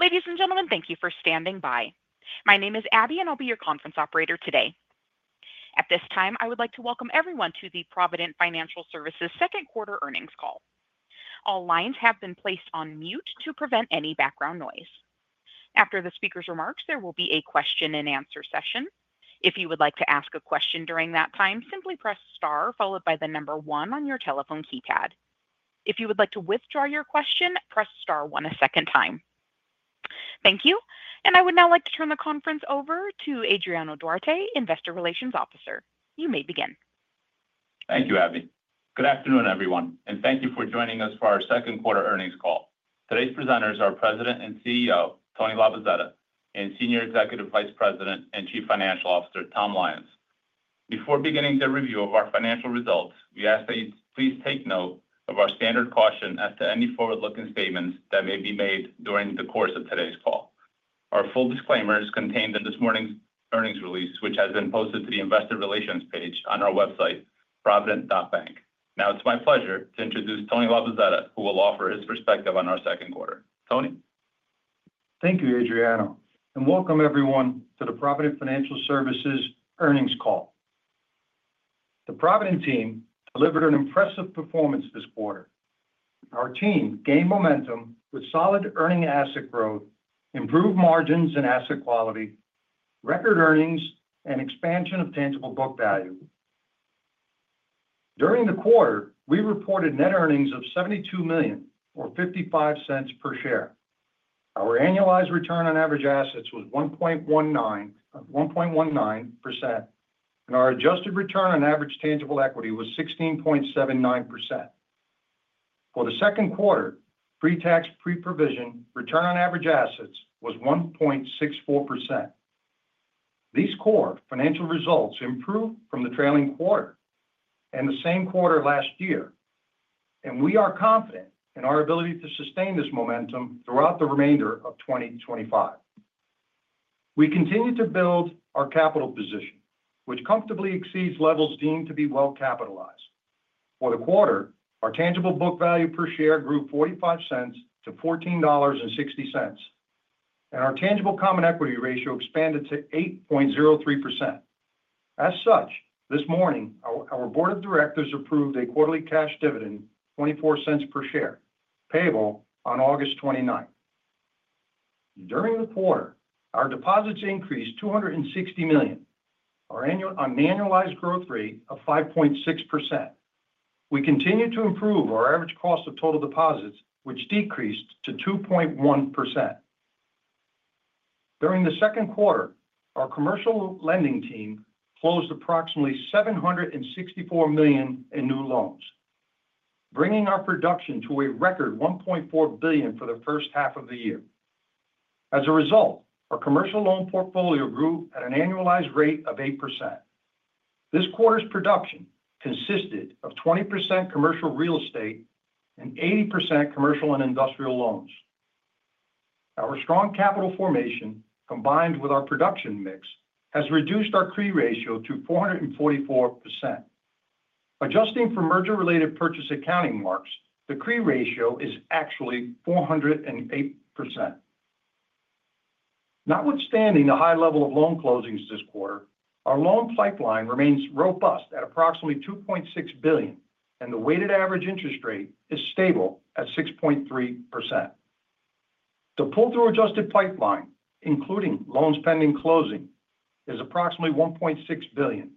Ladies and gentlemen, thank you for standing by. My name is Abby, and I'll be your conference operator today. At this time, I would like to welcome everyone to the Provident Financial Services Second Quarter Earnings Call. All lines have been placed on mute to prevent any background noise. After the speakers' remarks, there will be a question and answer session. Thank you. And I would now like to turn the conference over to Adriano Duarte, Investor Relations Officer. You may begin. Thank you, Abby. Good afternoon, everyone, and thank you for joining us for our second quarter earnings call. Today's presenters are President and CEO, Tony Lavazetta and Senior Executive Vice President and Chief Financial Officer, Tom Lyons. Before beginning the review of our financial results, we ask that you please take note of our standard caution as to any forward looking statements that may be made during the course of today's call. Our full disclaimer is contained in this morning's earnings release, which has been posted to the Investor Relations page on our website, provident.bank. Now it's my pleasure to introduce Tony Lobazetta, who will offer his perspective on our second quarter. Tony? Thank you, Adriano, and welcome, everyone, to the Provident Financial Services earnings call. The Provident team delivered an impressive performance this quarter. Our team gained momentum with solid earning asset growth, improved margins and asset quality, record earnings and expansion of tangible book value. During the quarter, we reported net earnings of $72,000,000 or $0.55 per share. Our annualized return on average assets was 1.19%, and our adjusted return on average tangible equity was 16.79%. For the second quarter, pretax pre provision return on average assets was 1.64. These core financial results improved from the trailing quarter and the same quarter last year, and we are confident in our ability to sustain this momentum throughout the remainder of 2025. We continue to build our capital position, which comfortably exceeds levels deemed to be well capitalized. For the quarter, our tangible book value per share grew $0.45 to $14.6 and our tangible common equity ratio expanded to 8.03%. As such, this morning, our Board of Directors approved a quarterly cash dividend, 0.24 per share, payable on August 29. During the quarter, our deposits increased $260,000,000 on an annualized growth rate of 5.6%. We continue to improve our average cost of total deposits, which decreased to 2.1%. During the second quarter, our commercial lending team closed approximately $764,000,000 in new loans, bringing our production to a record $1,400,000,000 for the first half of the year. As a result, our commercial loan portfolio grew at an annualized rate of 8%. This quarter's production consisted of 20% commercial real estate and 80% commercial and industrial loans. Our strong capital formation, combined with our production mix, has reduced our CRE ratio to 444%. Adjusting for merger related purchase accounting marks, the CRE ratio is actually 408%. Notwithstanding the high level of loan closings this quarter, our loan pipeline remains robust at approximately $2,600,000,000 and the weighted average interest rate is stable at 6.3%. The pull through adjusted pipeline, including loans pending closing, is approximately $1,600,000,000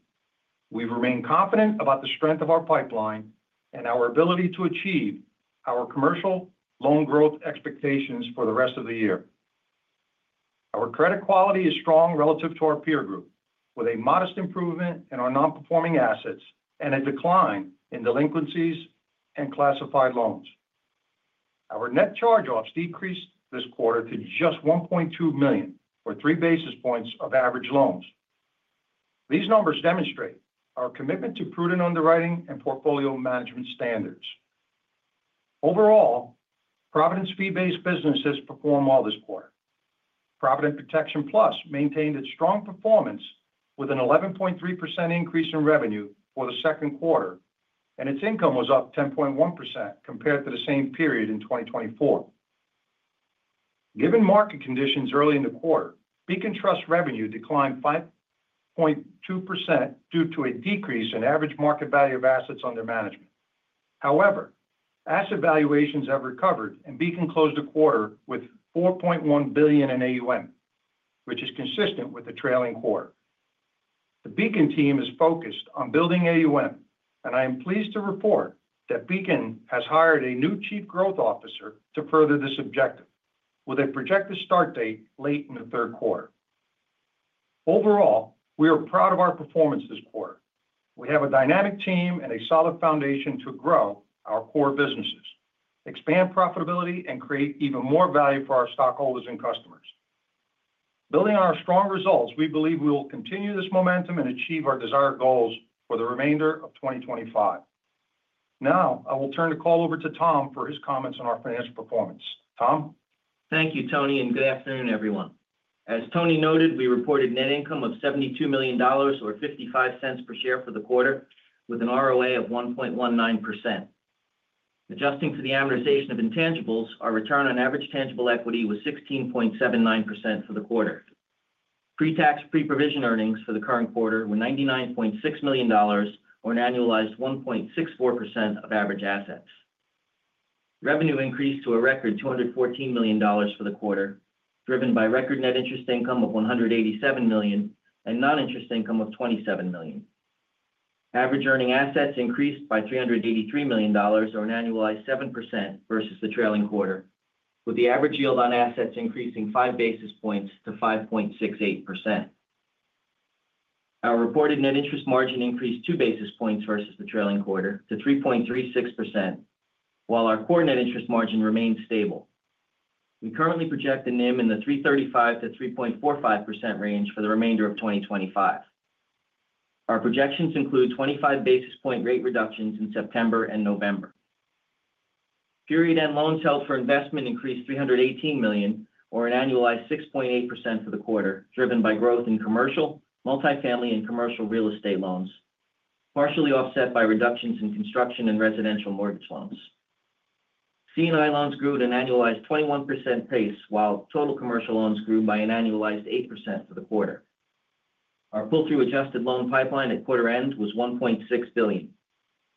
We remain confident about the strength of our pipeline and our ability to achieve our commercial loan growth expectations for the rest of the year. Our credit quality is strong relative to our peer group with a modest improvement in our nonperforming assets and a decline in delinquencies and classified loans. Our net charge offs decreased this quarter to just $1,200,000 or three basis points of average loans. These numbers demonstrate our commitment to prudent underwriting and portfolio management standards. Overall, Providence fee based businesses performed well this quarter. Provident Protection Plus maintained its strong performance with an 11.3 increase in revenue for the second quarter, and its income was up 10.1% compared to the same period in 2024. Given market conditions early in the quarter, Beacon Trust revenue declined 5.2% due to a decrease in average market value of assets under management. However, asset valuations have recovered, and Beacon closed the quarter with $4,100,000,000 in AUM, which is consistent with the trailing quarter. The Beacon team is focused on building AUM, and I am pleased to report that Beacon has hired a new Chief Growth Officer to further this objective with a projected start date late in the third quarter. Overall, we are proud of our performance this quarter. We have a dynamic team and a solid foundation to grow our core businesses, expand profitability and create even more value for our stockholders and customers. Building on our strong results, we believe we will continue this momentum and achieve our desired goals for the remainder of 2025. Now I will turn the call over to Tom for his comments on our financial performance. Tom? Thank you, Tony, and good afternoon, everyone. As Tony noted, we reported net income of $72,000,000 or $0.55 per share for the quarter with an ROA of 1.19%. Adjusting for the amortization of intangibles, our return on average tangible equity was 16.79% for the quarter. Pretax pre provision earnings for the current quarter were $99,600,000 or an annualized 1.64% of average assets. Revenue increased to a record $214,000,000 for the quarter, driven by record net interest income of $187,000,000 and noninterest income of 27,000,000 Average earning assets increased by $383,000,000 or an annualized 7% versus the trailing quarter, with the average yield on assets increasing five basis points to 5.68%. Our reported net interest margin increased two basis points versus the trailing quarter to 3.36%, while our core net interest margin remained stable. We currently project the NIM in the 3.35% to 3.45% range for the remainder of 2025. Our projections include 25 basis point rate reductions in September and November. Period end loans held for investment increased $318,000,000 or an annualized 6.8% for the quarter, driven by growth in commercial, multifamily and commercial real estate loans, partially offset by reductions in construction and residential mortgage loans. C and I loans grew at an annualized 21% pace, while total commercial loans grew by an annualized 8% for the quarter. Our pull through adjusted loan pipeline at quarter end was $1,600,000,000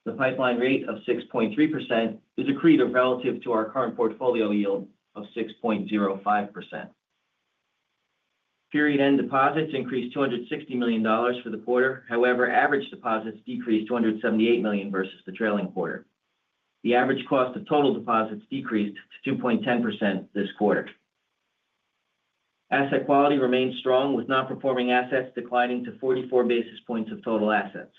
The pipeline rate of 6.3 is accretive relative to our current portfolio yield of 6.05%. Period end deposits increased $260,000,000 for the quarter. However, average deposits decreased $278,000,000 versus the trailing quarter. The average cost of total deposits decreased to 2.1 percent this quarter. Asset quality remained strong with nonperforming assets declining to 44 basis points of total assets.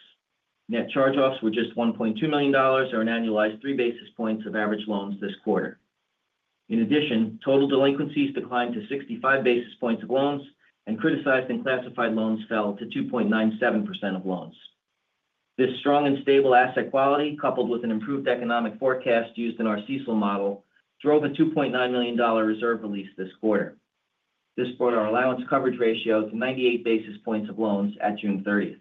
Net charge offs were just $1,200,000 or an annualized three basis points of average loans this quarter. In addition, total delinquencies declined to 65 basis points of loans and criticized and classified loans fell to 2.97% of loans. This strong and stable asset quality coupled with an improved economic forecast used in our CECL model drove a $2,900,000 reserve release this quarter. This brought our allowance coverage ratio to 98 basis points of loans at June 30.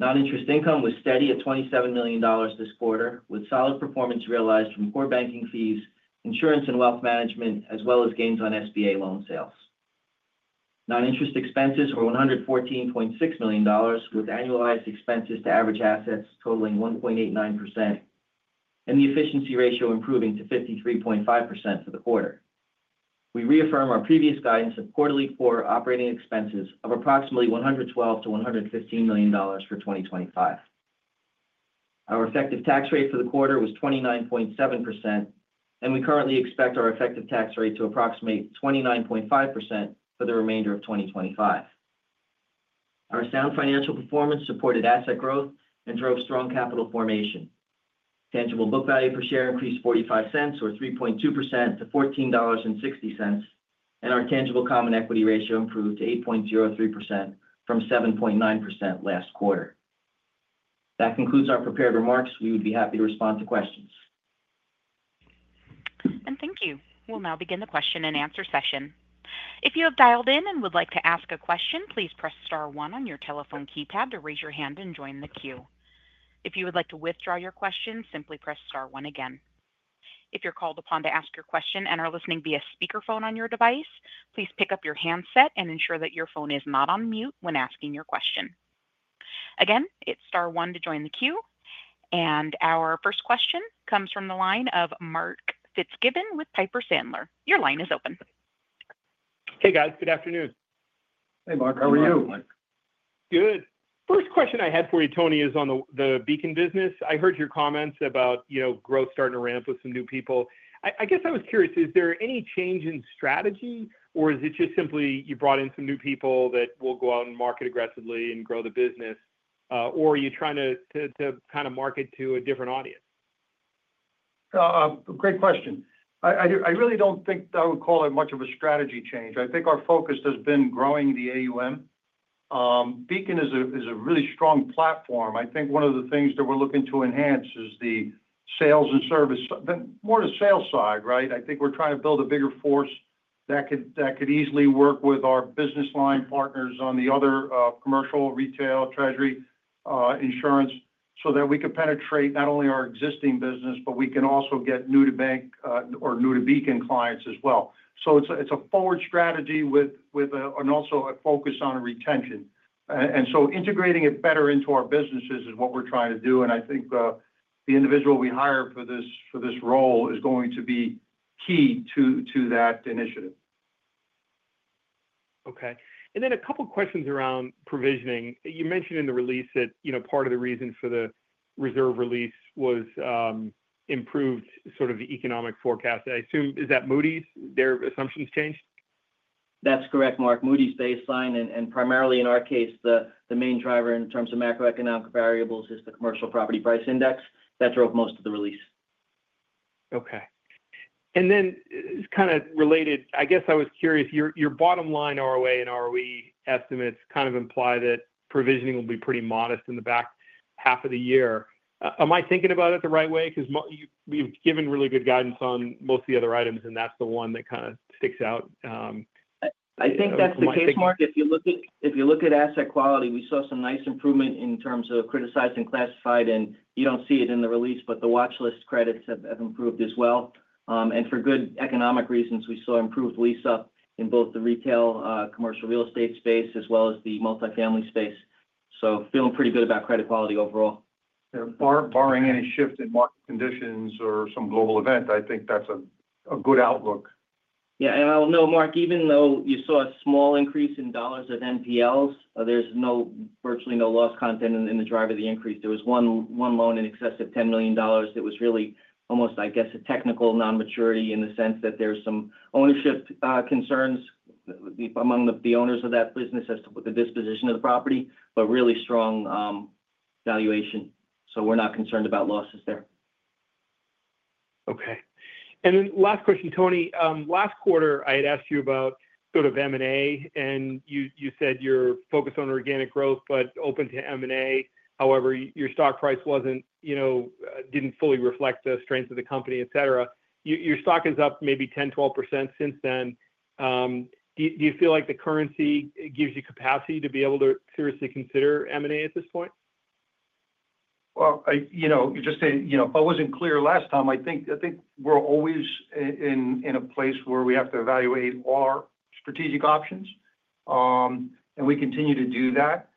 Non interest income was steady at $27,000,000 this quarter with solid performance realized from core banking fees, insurance and wealth management as well as gains on SBA loan sales. Non interest expenses were $114,600,000 with annualized expenses to average assets totaling 1.89% and the efficiency ratio improving to 53.5% for the quarter. We reaffirm our previous guidance of quarterly core operating expenses of approximately 112,000,000 to $115,000,000 for 2025. Our effective tax rate for the quarter was 29.7%, and we currently expect our effective tax rate to approximate 29.5% for the remainder of 2025. Our sound financial performance supported asset growth and drove strong capital formation. Tangible book value per share increased $0.45 or 3.2% to $14.6 and our tangible common equity ratio improved to 8.03% from 7.9% last quarter. That concludes our prepared remarks. We would be happy to respond to questions. If you would like to withdraw your question, simply press star one again. If you're called upon to ask your question and are listening via speakerphone on your device, please pick up your handset and ensure that your phone is not on mute when asking your question. And our first question comes from the line of Mark Fitzgibbon with Piper Sandler. Your line is open. Hey, guys. Good afternoon. Hey, Mark. How are you? Good. First question I had for you, Tony, is on the the Beacon business. I heard your comments about, you know, growth starting to ramp with some new people. I I guess I was curious, is there any change in strategy? Or is it just simply you brought in some new people that will go out aggressively and grow the business? Or are you trying to to to kind of market to a different audience? Great question. I I do I really don't think I would call it much of a strategy change. I think our focus has been growing the AUM. Beacon is a is a really strong platform. I think one of the things that we're looking to enhance is the sales and service more the sales side. Right? I think we're trying to build a bigger force that could that could easily work with our business line partners on the other commercial, retail, treasury, insurance so that we can penetrate not only our existing business, but we can also get new to bank or new to Beacon clients as well. So it's a it's a forward strategy with with and also a focus on retention. So integrating it better into our businesses is what we're trying to do, and I think the individual we hire for this for this role is going to be key to to that initiative. Okay. And then a couple questions around provisioning. You mentioned in the release that, you know, part of the reason for the reserve release was, improved sort of the economic forecast. I assume is that Moody's, their assumptions changed? That's correct, Mark. Moody's baseline and and primarily in our case, the the main driver in terms of macroeconomic variables is the commercial property price index that drove most of the release. Okay. And then it's kinda related. I guess I was curious, your your bottom line ROA and ROE estimates kind of imply that provisioning will be pretty modest in the back half of the year. Am I thinking about it the right way? Because you've given really good guidance on most of other items, and that's the one that kinda sticks out. I think that's the case, Mark. If you look at if you look at asset quality, we saw some nice improvement in terms of criticized and classified, and you don't see it in the release, but the watch list credits have have improved as well. And for good economic reasons, we saw improved lease up in both the retail, commercial real estate space as well as the multifamily space. So feeling pretty good about credit quality overall. Yeah. Bar barring any shift in market conditions or some global event, I think that's a a good outlook. Yeah. And I don't know, Mark, even though you saw a small increase in dollars of NPLs, there's no virtually no loss content in the driver of the increase. There was one loan in excess of $10,000,000 that was really almost, I guess, a technical non maturity in the sense that there's some ownership concerns among the owners of that business as to put the disposition of the property, but really strong valuation. So we're not concerned about losses there. Okay. And then last question, Tony. Last quarter, I had asked you about sort of m and a, and you you said you're focused on organic growth but open to m and a. However, your stock price wasn't, you know, didn't fully reflect the strength of the company, etcetera. Your your stock is up maybe 12% since then. Do do you feel like the currency gives you capacity to be able to seriously consider m and a at this point? Well, I you know, you just say, you know, I wasn't clear last time. I think I think we're always in in a place where we have to evaluate our strategic options, and we continue to do that.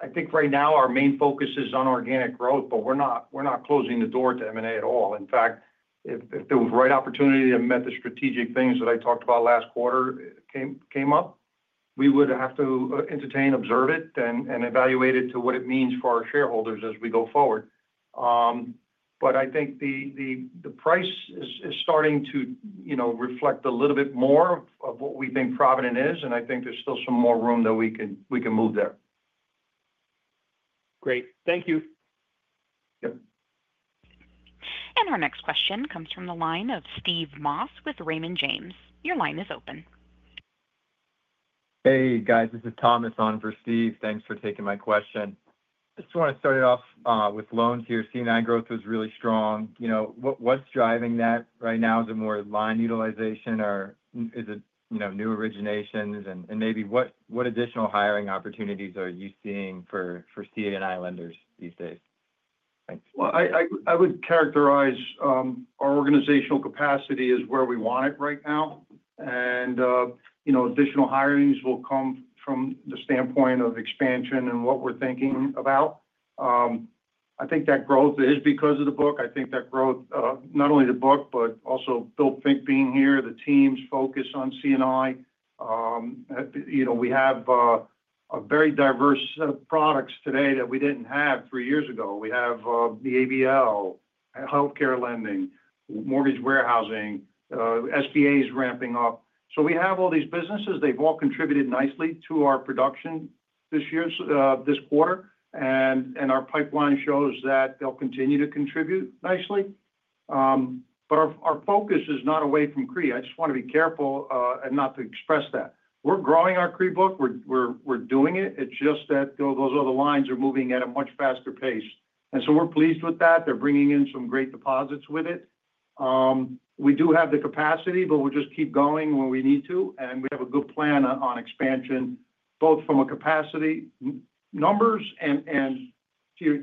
I think right now, our main focus is on organic growth, but we're not we're not closing the door to M and A at all. In fact, if if there was a right opportunity to met the strategic things that I talked about last quarter came came up, we would have to entertain, observe it, and and evaluate it to what it means for our shareholders as we go forward. But I think the the the price is is starting to, you know, reflect a little bit more of what we think Provident is, and I think there's still some more room that we can move there. Great. Thank you. Yep. And our next question comes from the line of Steve Moss with Raymond James. Your line is open. Hey, guys. This is Thomas on for Steve. Thanks for taking my question. Just wanna start it off, with loans here. C and I growth was really strong. You know, what what's driving that right now? Is it more line utilization or is it new originations? And maybe what additional hiring opportunities are you seeing for CA and I lenders these days? Well, I would characterize our organizational capacity as where we want it right now. And additional hirings will come from the standpoint of expansion and what we're thinking about. I think that growth is because of the book. I think that growth, not only the book, but also Bill Fink being here, the team's focus on C and I. We have a very diverse set of products today that we didn't have three years ago. We have, the ABL, health care lending, mortgage warehousing, SBAs ramping up. So we have all these businesses. They've all contributed nicely to our production this year's this quarter, and and our pipeline shows that they'll continue to contribute nicely. But our focus is not away from CRE. I just want to be careful not to express that. We're growing our CRE book. We're doing it. It's just that those other lines are moving at a much faster pace. So we're pleased with that. They're bringing in some great deposits with it. We do have the capacity, but we'll just keep going when we need to. And we have a good plan on expansion both from a capacity numbers and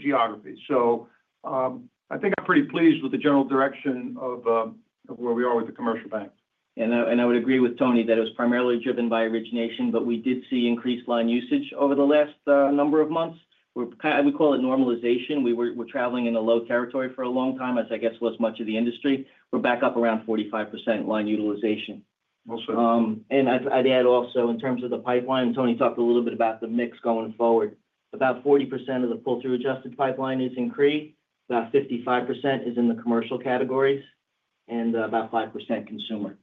geography. So, I think I'm pretty pleased with the general direction of where we are with the commercial bank. And I would agree with Tony that it was primarily driven by origination, but we did see increased line usage over the last number of months. We're we call it normalization. We were we're traveling in a low territory for a long time as I guess was much of the industry. We're back up around 45% line utilization. Also And I'd I'd add also in terms of the pipeline, Tony talked a little bit about the mix going forward. About 40% of the pull through adjusted pipeline is in CRE, about 55% is in the commercial categories and about 5% consumer.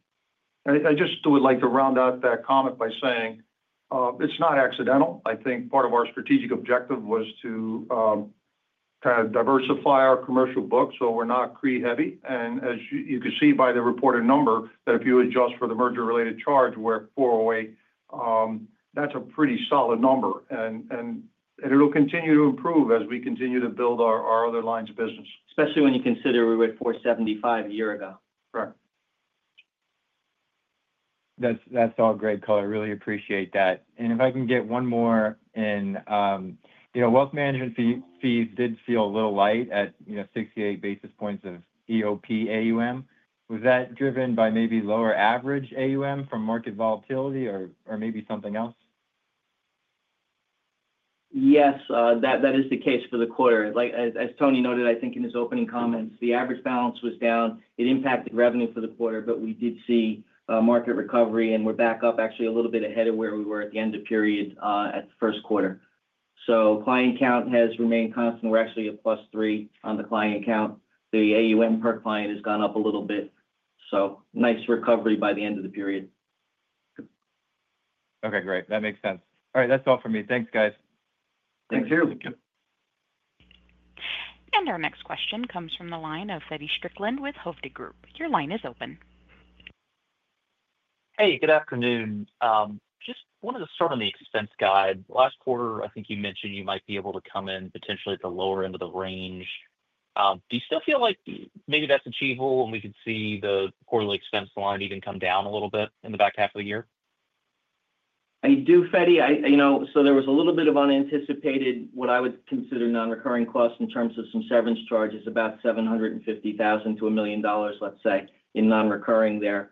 I just would like to round out that comment by saying it's not accidental. I think part of our strategic objective was to kind of diversify our commercial book so we're not CRE heavy. And as you can see by the reported number that if you adjust for the merger related charge, we're at four zero eight. That's a pretty solid number, and and and it'll continue to improve as we continue to build our our other lines of business. Especially when you consider we were at $4.75 a year ago. Correct. That's that's all great color. Really appreciate that. And if I can get one more in, you know, wealth management fee fees did feel a little light at, you know, 68 basis points of EOP AUM. Was that driven by maybe lower average AUM from market volatility or maybe something else? Yes. That is the case for the quarter. As Tony noted, I think in his opening comments, the average balance was down. It impacted revenue for the quarter, but we did see a market recovery, and we're back up actually a little bit ahead of where we were at the end of period, at the first quarter. So client count has remained constant. We're actually at plus three on the client count. The AUM per client has gone up a little bit, So nice recovery by the end of the period. Okay, great. That makes sense. All right. That's all for me. Thanks, guys. Thanks, And our next question comes from the line of Fetty Strickland with Hovde Group. Just wanted to start on the expense guide. Last quarter, I think you mentioned you might be able to come in potentially at the lower end of the range. Do you still feel like maybe that's achievable and we could see the quarterly expense line even come down a little bit in the back half of the year? I do, Fedi. So there was a little bit of unanticipated, what I would consider nonrecurring costs in terms of some severance charges, about $750,000 to $1,000,000, let's say, in nonrecurring there.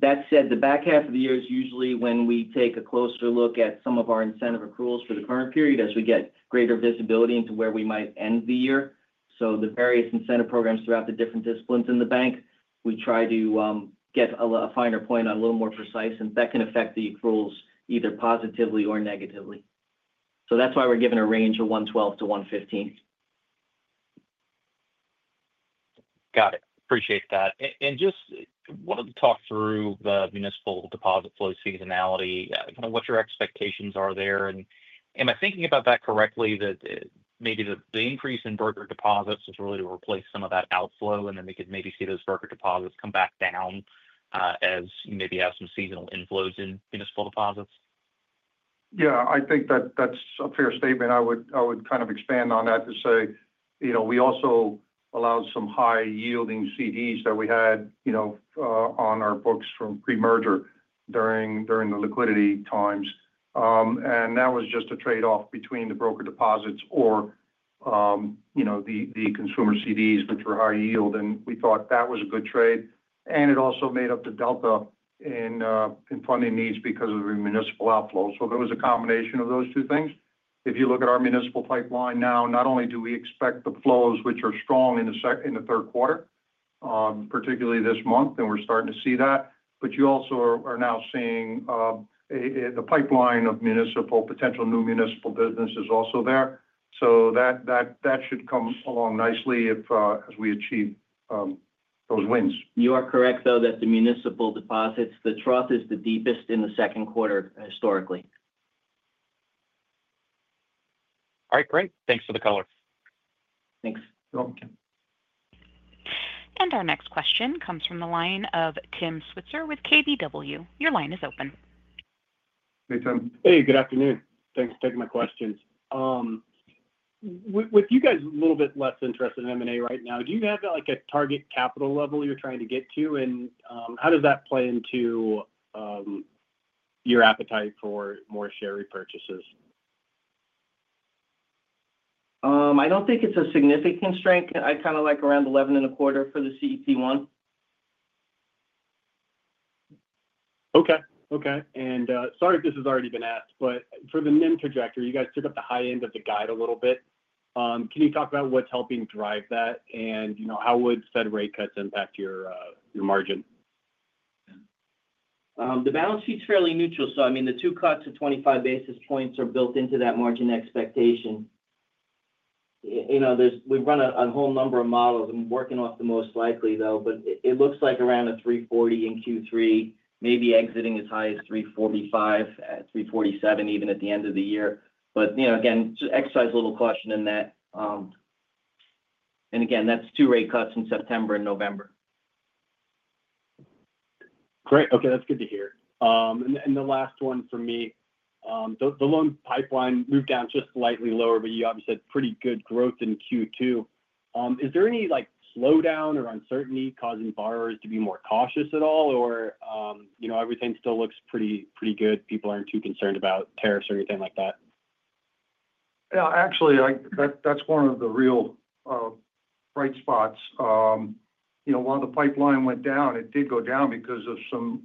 That said, the back half of the year is usually when we take a closer look at some of our incentive accruals for the current period as we get greater visibility into where we might end the year. So the various incentive programs throughout the different disciplines in the bank, we try to, get a a finer point, a little more precise, and that can affect the accruals either positively or negatively. So that's why we're giving a range of one twelve to one fifteen. Got it. Appreciate that. And just wanted to talk through the municipal deposit flow seasonality, kind of what your expectations are there? And am I thinking about that correctly that maybe the increase in brokered deposits is really to replace some of that outflow and then we could maybe see those brokered deposits come back down as you maybe have some seasonal inflows in municipal deposits? Yes. I think that's a fair statement. I would kind of expand on that to say we also allowed some high yielding CDs that we had on our books from pre merger during the liquidity times. And that was just a trade off between the broker deposits or, you know, the the consumer CDs, which were high yield, and we thought that was a good trade. And it also made up the delta in funding needs because of the municipal outflows. So it was a combination of those two things. If you look at our municipal pipeline now, not only do we expect the flows which are strong in the third quarter, particularly this month, and we're starting to see that, But you also are now seeing the pipeline of municipal, potential new municipal business is also there. So that should come along nicely if we achieve those You are correct, though, that the municipal deposits, the trough is the deepest in the second quarter historically. All right. Great. Thanks for the color. Thanks. You're welcome. And our next question comes from the line of Tim Switzer with KBW. Your line is open. Hey, Tim. Hey. Good afternoon. Thanks for taking my questions. With with you guys a little bit less interested in m and a right now, do you have, like, a target capital level you're trying to get to? And, how does that play into your appetite for more share repurchases? I don't think it's a significant strength. I kinda like around 11 and a quarter for the CET one. Okay. Okay. And sorry if this has already been asked, but for the NIM trajectory, you guys took up the high end of the guide a little bit. Can you talk about what's helping drive that and, you know, how would fed rate cuts impact your your margin? The balance sheet's fairly neutral. So, I mean, the two cuts of 25 basis points are built into that margin expectation. You know, there's we've run a a whole number of models and working off the most likely, though, but it looks like around a three forty in q three, maybe exiting as high as three forty five, three forty seven even at the end of the year. But, you know, again, to exercise a little question in that and, again, that's two rate cuts in September and November. Great. Okay. That's good to hear. And and the last one for me, the the loan pipeline moved down just slightly lower, but you obviously pretty good growth in q two. Is there any, like, slowdown or uncertainty causing borrowers to be more cautious at all? Or, you know, everything still looks pretty pretty good. People aren't too concerned about tariffs or anything like that. Yeah. Actually, I that that's one of the real bright spots. You know, while the pipeline went down, it did go down because of some,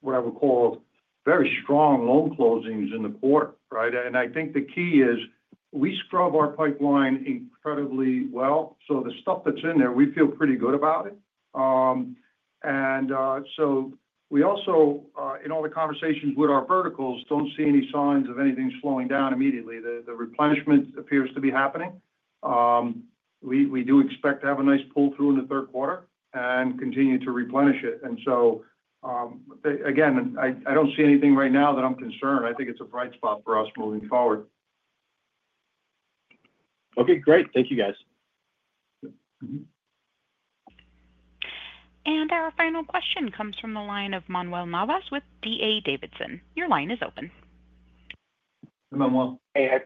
what I would call, very strong loan closings in the quarter. Right? And I think the key is we scrub our pipeline incredibly well. So the stuff that's in there, we feel pretty good about it. And so we also, in all the conversations with our verticals, don't see any signs of anything slowing down immediately. The the replenishment appears to be happening. We do expect to have a nice pull through in the third quarter and continue to replenish it. And so again, I don't see anything right now that I'm concerned. I think it's a bright spot for us moving forward. Okay, great. Thank you, guys. And our final question comes from the line of Manuel Navas with D. A. Davidson. Your line is open. Hey,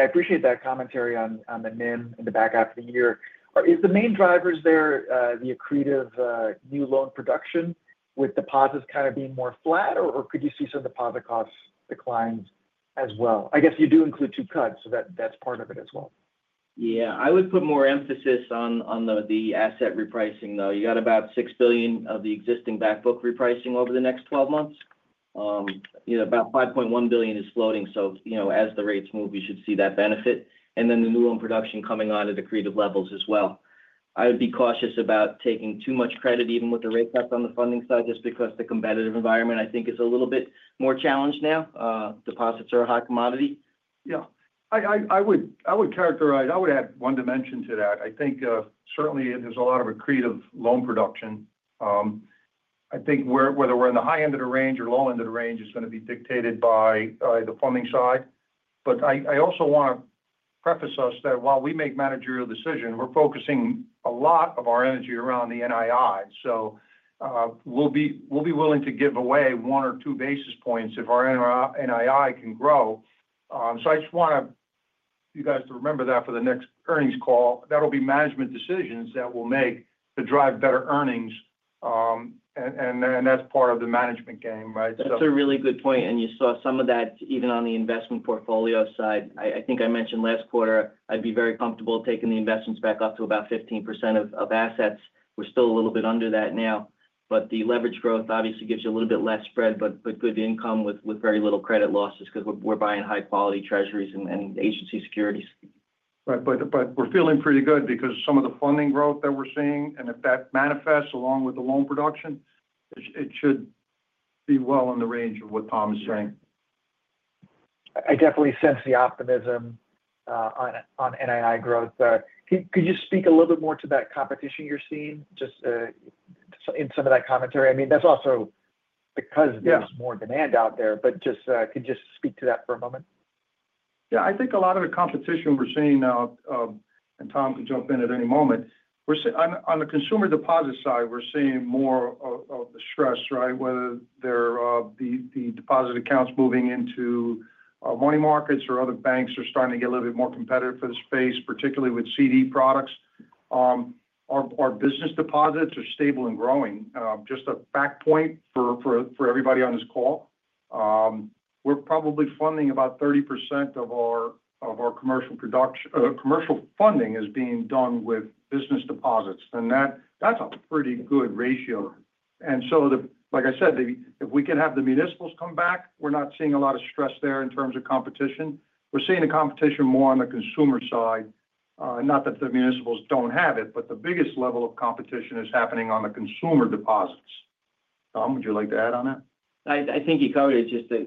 I appreciate that commentary on the NIM in the back half of the year. Is the main drivers there the accretive new loan production with deposits kind of being more flat? Or could you see some deposit costs declines as well? I guess you do include two cuts, that that's part of it as well. Yeah. I would put more emphasis on on the the asset repricing, though. You got about 6,000,000,000 of the existing back book repricing over the next twelve months. You know, about $5,100,000,000 is floating. So, you know, as the rates move, we should see that benefit. And then the new loan production coming on at accretive levels as well. I would be cautious about taking too much credit even with the rate cuts on the funding side just because the competitive environment, I think, is a little bit more challenged now. Deposits are a high commodity. Yeah. I I I would I would characterize I would add one dimension to that. I think, certainly, there's a lot of accretive loan production. I think whether we're in the high end of the range or low end of the range is gonna be dictated by the plumbing side. But I also wanna preface us that while we make managerial decision, we're focusing a lot of our energy around the NII. So we'll be we'll be willing to give away one or two basis points if our NII can grow. So I just wanna you guys to remember that for the next earnings call. That will be management decisions that we'll make to drive better earnings, and and that's part of the management game. Right? So That's a really good point, and you saw some of that even on the investment portfolio side. I I think I mentioned last quarter, I'd be very comfortable taking the investments back up to about 15% of of assets. We're still a little bit under that now, But the leverage growth obviously gives you a little bit less spread but good income with very little credit losses because we're buying high quality treasuries and agency securities. Right. But we're feeling pretty good because some of the funding growth that we're seeing and if that manifests along with the loan production, it should be well in the range of what Tom is saying. I definitely sense the optimism on NII growth. Could you speak a little bit more to that competition you're seeing in just some of that commentary? I mean, that's also because there's more demand out there, but just could you just speak to that for a moment? Yeah. I think a lot of the competition we're seeing now, and Tom can jump in at any moment, we're on on the consumer deposit side, we're seeing more of of the stress, right, whether they're the the deposit accounts moving into money markets or other banks are starting to get a little bit more competitive for the space, particularly with CD products. Our our business deposits are stable and growing. Just a back point for for for everybody on this call. We're probably funding about 30% of our of our commercial production commercial funding is being done with business deposits, and that that's a pretty good ratio. And so the like I said, if we can have the municipals come back, we're not seeing a lot of stress there in terms of competition. We're seeing the competition more on the consumer side. Not that the municipals don't have it, but the biggest level competition is happening on the consumer deposits. Tom, would you like to add on that? I think you covered it just to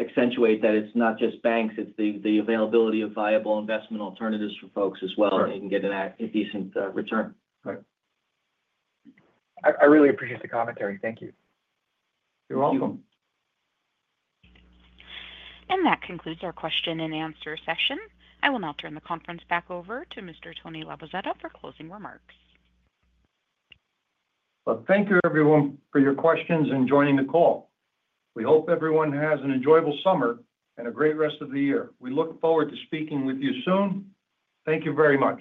accentuate that it's not just banks, it's the availability of viable investment alternatives for folks as well, and they can get a decent return. I really appreciate the commentary. Thank you. You're welcome. And that concludes our question and answer session. I will now turn the conference back over to Mr. Tony Labazetta for closing remarks. Well, thank you, everyone, for your questions and joining the call. We hope everyone has an enjoyable summer and a great rest of the year. We look forward to speaking with you soon. Thank you very much.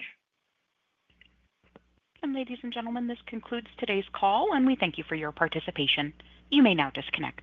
And ladies and gentlemen, this concludes today's call, and we thank you for your participation. You may now disconnect.